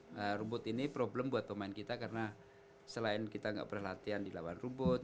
nah rumput ini problem buat pemain kita karena selain kita nggak pernah latihan di lawan rumput